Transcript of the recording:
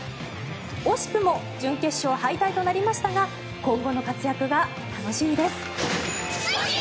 惜しくも準決勝敗退となりましたが今後の活躍が楽しみです。